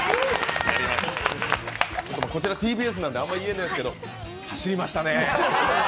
こちらＴＢＳなんであまり言えないですけど、走りましたね。